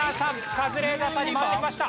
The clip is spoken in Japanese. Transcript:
カズレーザーさんに回ってきました。